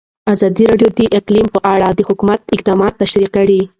ازادي راډیو د اقلیم په اړه د حکومت اقدامات تشریح کړي.